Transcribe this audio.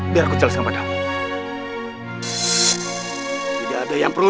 biar aku jelaskan padamu